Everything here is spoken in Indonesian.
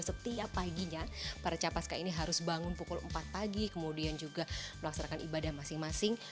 setiap paginya para capaska ini harus bangun pukul empat pagi kemudian juga melaksanakan ibadah masing masing